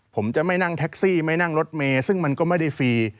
ผมจะไม่นั่งแท็กซี่ไม่นั่งรถเมย์ซึ่งมันก็ไม่ได้ฟรี